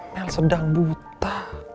mel sedang buta